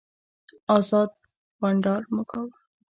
ازاد بانډار مو کاوه.